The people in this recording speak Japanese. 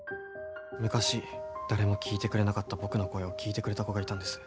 昔誰も聞いてくれなかった僕の声を聞いてくれた子がいたんです。